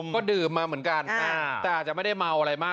ก็ดื่มมาเหมือนกันแต่อาจจะไม่ได้เมาอะไรมาก